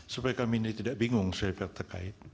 supaya kami ini tidak bingung saya berterkait